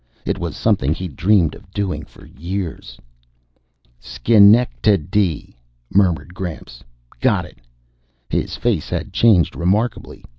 It was something he'd dreamed of doing for years. "Schen ec ta dy," murmured Gramps. "Got it!" His face had changed remarkably.